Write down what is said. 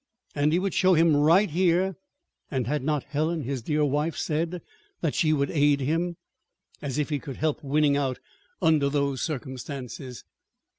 And he would show him right here. And had not Helen, his dear wife, said that she would aid him? As if he could help winning out under those circumstances!